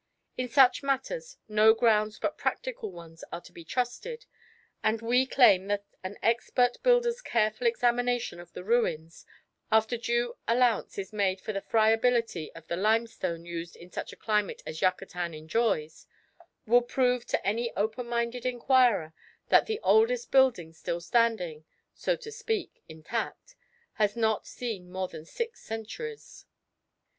In such matters no grounds but practical ones are to be trusted, and we claim that an expert builder's careful examination of the ruins, after due allowance is made for the friability of the limestone used in such a climate as Yucatan enjoys, will prove to any open minded inquirer that the oldest building still standing, so to speak, intact, has not seen more than six centuries.